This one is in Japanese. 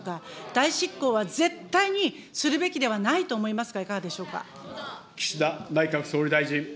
代執行は絶対にするべきではないと思いますが、いかがでしょうか。